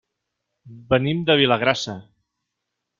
Venim de Vilagrassa.